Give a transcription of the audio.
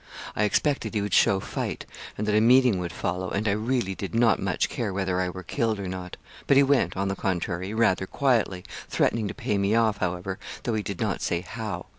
I expected he would show fight, and that a meeting would follow; and I really did not much care whether I were killed or not. But he went, on the contrary, rather quietly, threatening to pay me off, however, though he did not say how.